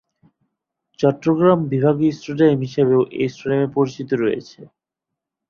চট্টগ্রাম বিভাগীয় স্টেডিয়াম হিসেবেও এ স্টেডিয়ামটির পরিচিতি রয়েছে।